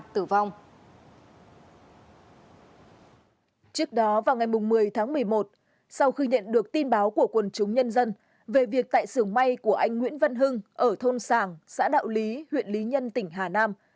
trước đó vào ngày một mươi tháng một mươi một sau khi nhận được tin báo của quần chúng nhân dân về việc tại sưởng may của anh nguyễn văn hưng ở thôn sàng xã đạo lý huyện lý nhân tỉnh hà nam